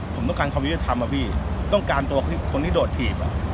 ผมต้องการความยุติธรรมอะพี่ต้องการตัวคนที่โดดถีบ